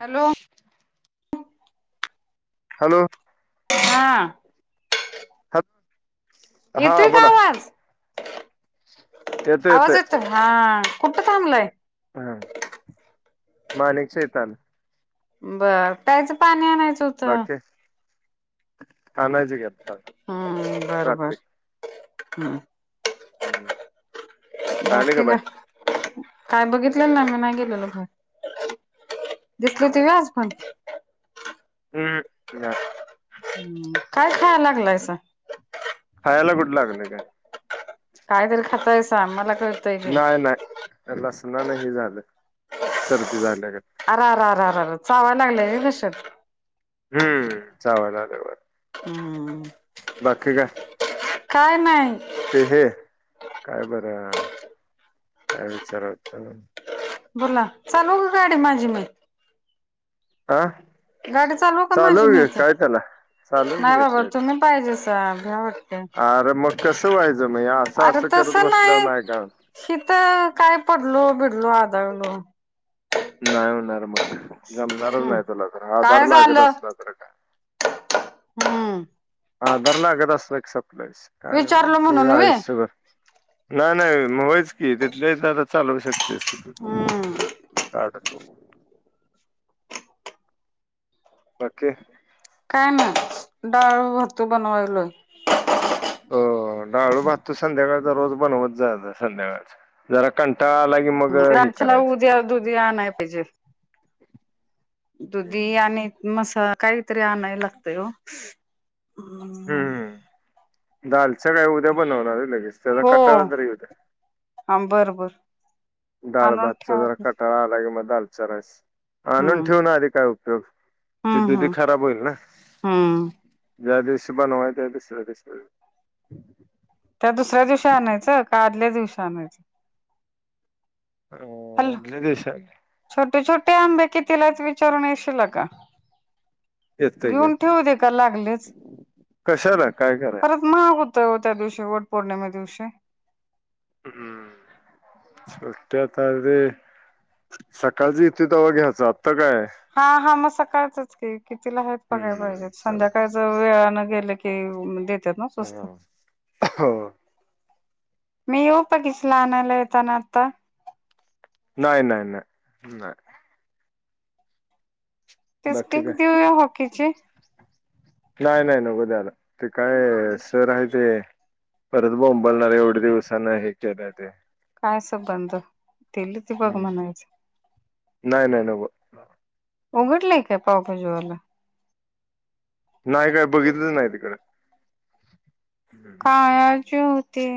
Hello! Hello! हा! Hello! येतोय का आवाज आवाज येतोय हा. कुठं थांबलंय. हा माणिक शैताल. बर कायच पाणी आणायचं होतं. हानाजी घ रात्री. हम हम्म आले बाकी बाय का.. काय बघितलेलं ना मी नाही गेलेल घर दिसल ते व आज पण! हम् ह. हम्म काय खा लागलायस. खायला गुड लागले काय? काय तरी खातायसा मला कळतंय की नाही नाही लसना नाही झालं. सर्दी झाले. अ रर र चावायला लागले तशत.. हम्म वाल आ वा.. हम्. बाकी का! काय नाही. ते हे काय बरं काय विचारल! बोला चालू हो ग गाडी माझी मा.. आा! गाडी चालू का माझी मी इथे चालव की नाही बाबा तिथलं तुम्ही पाहिजे स घ्या.. अरे मग कसं व्हायचं म्ह असं असं करत बसलं नाही का.. शिथ काय पडलो भिडलो आधळलो. नाही होणार मग जमणारच हम्म नाही तला तर हा जार काय लागत झालं असणार तर का. हम्म हा धर नाकत असो एक सप्लास काय विचारलो ते म्हणून आहे व्हय शुगर.. नाही नाही होयच कि तिथले तर आता चालवू शकतेस क.. हम्म आड.. बाकी! काय नाही डाळ भातू बनवायलाय हो डाळू भात त संध्याकाळचा रोज बनवत जात संध्याकाळच जरा कं ला की मग हे लांचला करायचं उद्या दुधी आणाय पाहिजे दुधी आणि मसा काहीतरी आणाय लागतंय हो. हम्म [unintelligible] दालच काय उद्या बनवणार आहे लगेच त्याचा कटाळा तरी उद्या हां बरोबर ाळ भातचा जरा कटारा आला कि म दालचा रास आणून हम्म ठेव ना आधी काय उपयोग ते हम्म दुधी हम्म खराब होईल ना हम्म ज्या दिवशी पणवाय त्या दिसऱ्या दिवस श मिळची ह देश छोटे छोटे आंबे कि तिलाच विचारून येशील का येतय की घेऊन येतय ठेवू दे का लागलीच कशाला काय कराय परत महाग हो हो त्या दिवशी वट पौर्णिमे दिवशी हम्म सत्या तरे सकाळचे इथे तवा घ्यायचा हा हा मग सकाळचच कि कितीला आहेत बघायला हम्म पाहिजेत चालतंय संध्याकाळच वेळ न गेलं की देतात ना स्वस्त. हा हो मी येऊ का किसला आणयला येताना आता? नाही नाही नाही नाही ती बाकी स्टिक काय देऊया हॉकीची नाही नाही नको द्यायला, ते काय सर आहे ते परत बोंबलनारे येवढ्या दिवसान हे केलं ते काय असं बंद तेलच बघ हम्म म्हणायचं [unintelligible] नाही नाही नको उघडले का पावभाजी वाला नाही काय बघितलं नाही तिकड कायाजी होती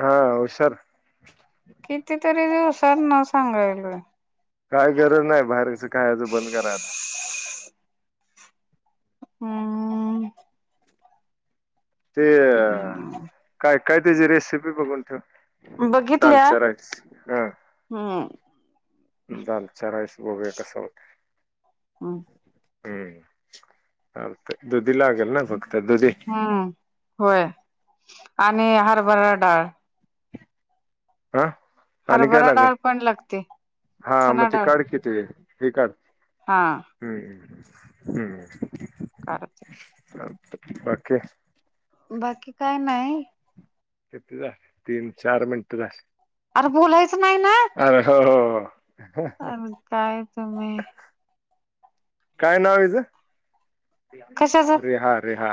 हा हुशार कितीतरी दिवसांना सांगायल काय गरज नाही बाहेरचं खायाचं बंद करायता हम ते अ हम्म काय काय त्याची रेसिपी बघून ठेव बघितल्या तालचारच हम [unintelligible] हम्म दाल चा राईस बघुया कसा होतोय हम हम्म, आते दुदीलागेल ना बघ हम्म... होय आणि हरभरा डाळ ह आणि काय हरभरा लागेल? डाळ पण लागते हा मग चना ते डाळ काढ की ते ते काढ, हा हम्म हम्् हम्म कराच अ बाके [unintelligible] बाकी काय नाही किती झाले? तीन चार मिनिट झाले. अरे बोलायचं नाही ना. अरे हो हो अर काय तुम्ही! काय नाव हिचं? कशाच रेहा रेहा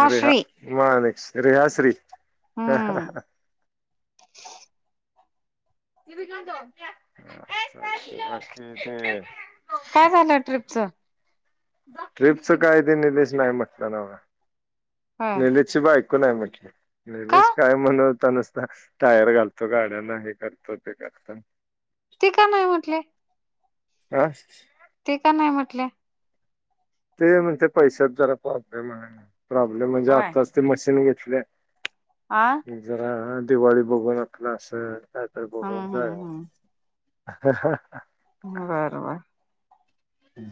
रेहा मा न रेहा श्री हा हा हम्म ह त अचछा काय झालं ट्र्रीपच ट्रिपच काय ते निलेश नाही म्हटलं ना होय निलेश ची बाईक म्हट का निलेश काय म्हणवता नसता टायर घालतो गाड्यांना हे करतो ते का एकदम ते का नाही म्हटले हा ते का नाही म्हटले ते म्हणते पैशात जरा प्रॉब्लेम आहे प्रॉब्लेम म्हणजे होय आत्ताच ते मशीन घेत आ आपल्या जरा दिवाळी बघून आपलं असल त्या तर बघून हम्म जाय हम्म बरोबर हम्म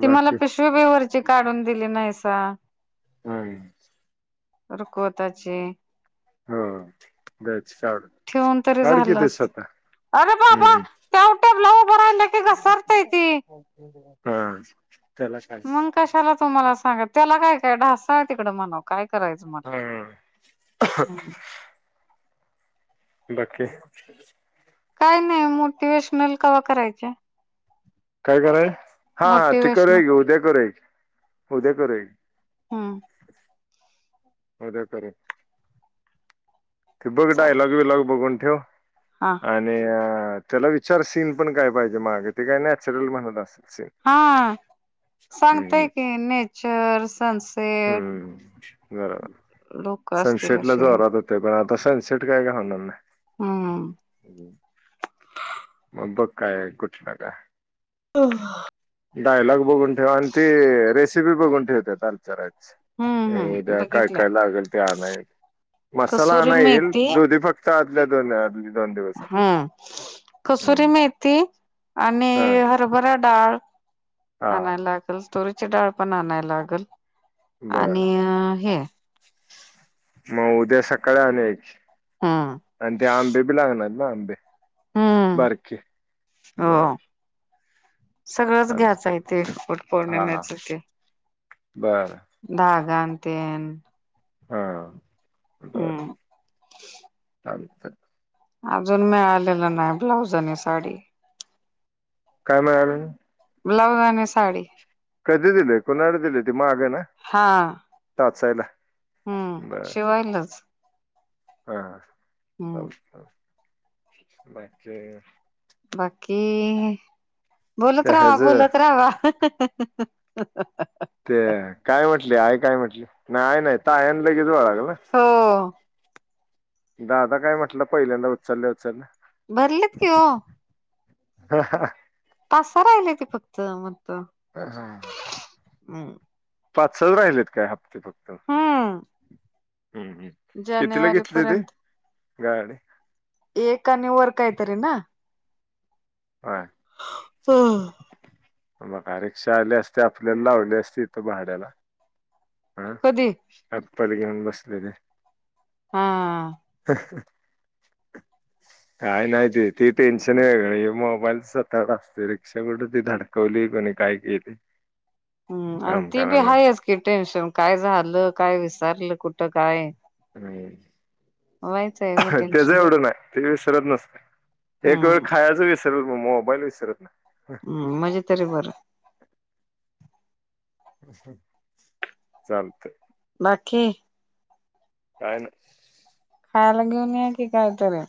ती मला पिशवभेवरची काढून दिली नाहीसा हम् हो कोतााचे होा दयच काढ ठेवून तरी काढ झालं किती असत स्वतः अरे बाबा हम्म त्या टॅबला उभं राहिलं की घसरतय ती हम् हा त्याला काय मग कशाला तुम्हाला सांग त्याला काय काय ढसा आहे तिकडे म्हन काय करायचं मला हा हम् बाकी काय नाही मोटिवेशनल कावा करायचे काय कराय हा हा ते मोटिवेशनल करय ग उद्या करय उद्या करय ग हम् म्या करे ते बघ चाल डायलॉग विलॉग बघून ठेव हा आणि त्याला विचार सीन पण काय पाहिजे मागे ते काय नॅचरल म्हणत असत हा हम्म सांगतेय की नेचर सनसेट लोक असतील सनसेेट ला असे जरात होते पण आता तस सिट काय का होणारना हम्म मग बघ काय कुठला का हो डायलॉग बघून ठेवा आणि ती रेसिपी बघून ठेवतेलचरा हम्म नाही्या काय बघितल्या कायला लागेल ते आणय मसाला कसुरी नाही येईल मेथी दुधी फक्त आदल्या दोन आ दोन दिवसात सुरी हम्म. मेथी आणि हा हरभरा डाळ हा आणायला लागेल तोरी ची डाळ पण आणायला लागल बर आणि हे मग उद्या सकाळी आणय हम्म आणि ते आंबे बी लागणार ना आंबे हम्म बरक बर हो सगळंच चालत घ्यायचं आहे तेे एकट हा हा पौर्णिमेच ते बर धाग जनते हा अजून मिळालेलं नाही ब्लाऊज आणि साडी काय म्हणाले ब्लाऊज आणि साडी कधी दिले कुणाड दिले ते माग आहे ना हा टचायला हम्म शिवायलच हाछ बाकी बोलत ते रावा ह्याच बोलोलत रावा ते काय म्हंटले आय काय म्हंटले नाहीय नाही ताई आहेन लगेच गोळा हो दादा काय म्हटलं पहिल्यांदा उचलल्या उचललं? भरलेत कि हो. हा हा! तसा राहिला ते फक्त मगत हम्! पाच सल राहिलेत काय हप्ते फक्त? हम्म हं हं कितीला जानेवारी घेतली होती पर्यंत गाडी? एक आणि वर काहीतरी ना? हा. हो मग आ रिक्षा आले असते आपल्याला लावले असते इथं भाड्याला. हं कधी ॲपल घेऊन बसले ते. हा. अह् काय नाहीती ती टेन्शन वेगळी मोबाईलसता असते रिक्षाकड ती धडकवली. कोणी काय केली ते हं आणि ती बी आहेच की टेन्शन काय झालं काय विसरलं कुठं काय? ह व्हायचंय मी त्याच टेन्शन एवढं नाही ते विसरत नसत एक वेळ हम्म खायच विसर. र मग मोबाईल विसरत ना. हं म्हणजे तरी बरं हं चालतय बाकी? काय नाही खायला घेऊन या कि कायतरी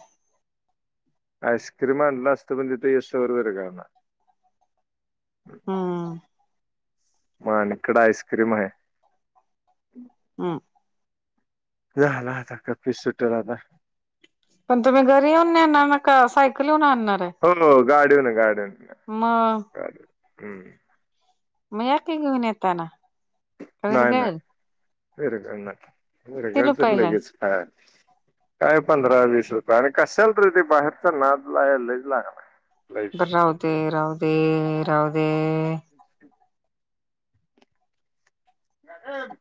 आईस्क्रिम आणला असत पण तिथ यस वर वर करणार हं! माझ्याकड आईस्क्रीम आहे. हं! झाल आता कप्पी सुटल आता. पण तुम्ही घरी येऊन नेणार का सायकल हुन आण हो हो गाडीहुन गाडिहुन! मग हम. मग याकी घेऊन येताना, तोवर नाही नाही गळल विरघळणार, विरघळत रुपयाला आहे लगेच हा. काय पंधरा, वीस रुपये आणि कशाला तर ते बाहेरचा नाद लयच लागलाय. बर राहु दे राहु दे राहु दे. मॅडम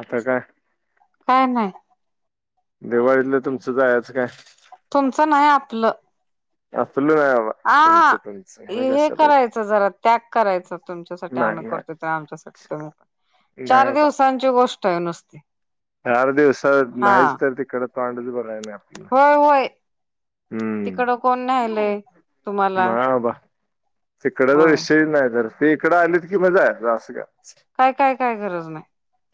आता काय? काय नाही. दिवाळीतलं तुमचं जायचं काय? तुमचं नाही आपलं! [inaudible] बाबा आ हा तुमचं तुमचं मी हे कशाला करायचं जरा त्याग करायच तुमच्यासाठी आम्ही नाही करतो, नाही तर आमच्यासाठी तुम्ही करा, चार नाही बाबा दिवसांची गोष्ट आहे नुसती. चार दिवसात हा नाहीच तर तिकड तोंड बघायचं नाही आपल्याला. तिकड हम्म कोण न्यायलाय तुम्हाला? तिकडे जर होय विषय नाही तर ते इकडं आलेत की मग कि जायच अस करायच. काय काय काय गरज नाही.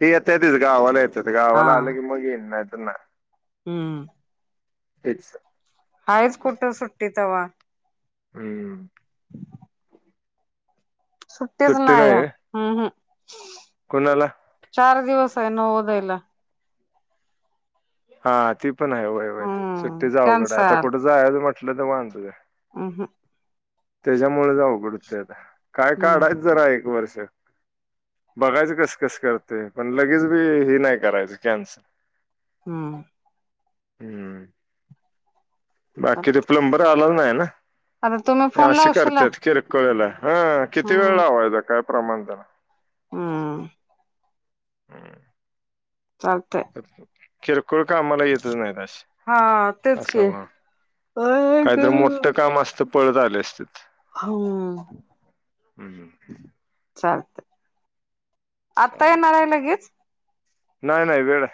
ती यता येतच, गावाला येतच गावाला आलं की मग येईन नाही तर नाही. हम. तेच हाय कुठे सुट्टी तवा? हम्म. सुट्टीच नाही, हम्म हम् कोणाला? चार दिवस आहे नवोदयला. हा ती पण आहे वय वय हम्म सुट्टी जाऊघडं आता कॅन्सल कुठं जाय म्हटलं तर वांद आहे. [unintelligible] त्याच्यामुळे च आघड होतय आता, काय हम्म काढच जरा एक वर्ष, बघायच कस कस करते पण लगेच बी हे नाही करायचं कॅन्सल. हम्म. हम्म बाकी ते प्लंबर आलाला नाही ना? आता तुम्ही ते फोन असे लावशीला करतात किरकोळला. हा किती वेळ हम्म लावायचा काय प्रमाण त्याला हम्म हम्. चालतंय किरकोळ कामाला येतच नाहीत हा तेच की अशी अय ग काहीतरी मोठं काम असत पळत आले असते. हम. हम् ह. चालते आता येणार चालतंय आहे लगेच? नाही नाही वेळ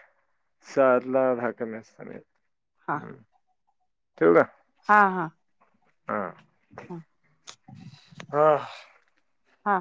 साला दहा कमी असताना हा येतो. ठेव का? हा हा हा. हा! हा